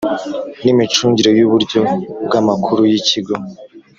N Imicungire Y Uburyo Bw Amakuru Y Ikigo